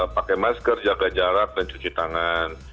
pakai masker jaga jarak dan cuci tangan